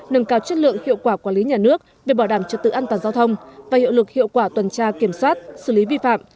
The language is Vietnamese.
nâng cao chất lượng hiệu quả quản lý nhà nước về bảo đảm trật tự an toàn giao thông và hiệu lực hiệu quả tuần tra kiểm soát xử lý vi phạm